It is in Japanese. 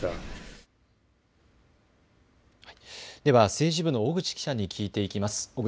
政治部の小口記者に聞いていきます。